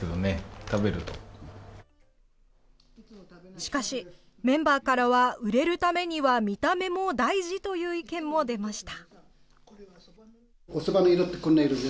しかし、メンバーからは売れるためには見た目も大事という意見も出ました。